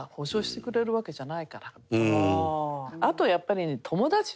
あとはやっぱりね。